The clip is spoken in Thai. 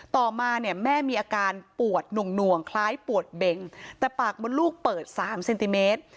ต่อมาเนี่ยแม่มีอาการปวดหน่วงคล้ายปวดเบงแต่ปากมดลูกเปิด๓เซนติเมตร